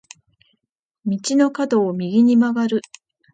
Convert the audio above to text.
道の角を右に曲がる。